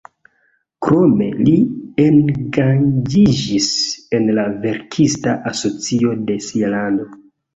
Krome li engaĝiĝis en la verkista asocio de sia lando.